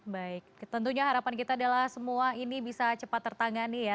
baik tentunya harapan kita adalah semua ini bisa cepat tertangani ya